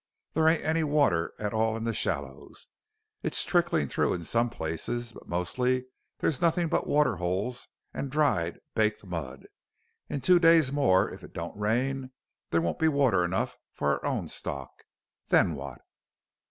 "There ain't any water at all in the shallows. It's tricklin' through in some places, but mostly there's nothin' but water holes an' dried, baked mud. In two days more, if it don't rain, there won't be water enough for our own stock. Then what?"